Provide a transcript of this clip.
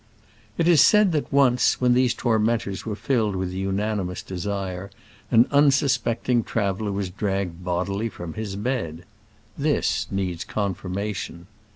It is said that once, when these tor mentors were filled with an unanimous desire, an unsuspecting traveler was dragged bodily from his bed ! This needs confirmation.